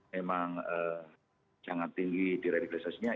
memang jangan tinggi di radikalisasinya